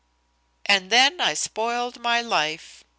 "And then I spoiled my life.